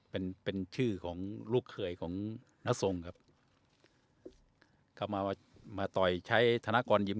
เป็นเป็นชื่อของลูกเคยของนทรงครับเข้ามามาต่อยใช้ธนกรยิม